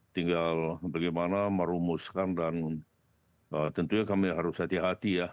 tinggal bagaimana merumuskan dan tentunya kami harus hati hati ya